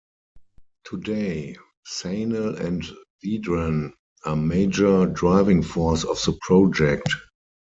Today, Sanel and Vedran are major driving force of the project.